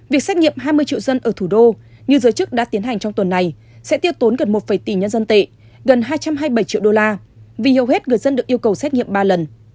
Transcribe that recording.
việc xét nghiệm hai mươi triệu dân ở thủ đô như giới chức đã tiến hành trong tuần này sẽ tiêu tốn gần một tỷ nhân dân tệ gần hai trăm hai mươi bảy triệu đô la vì hầu hết người dân được yêu cầu xét nghiệm ba lần